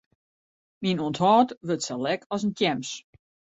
Myn ûnthâld wurdt sa lek as in tjems.